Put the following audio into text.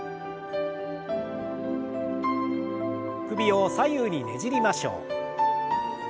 首を左右にねじりましょう。